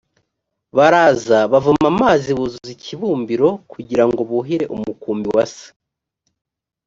baraza bavoma amazi buzuza ikibumbiro kugira ngo buhire umukumbi wa se